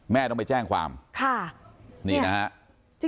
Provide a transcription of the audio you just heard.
ต้องไปแจ้งความค่ะนี่นะฮะ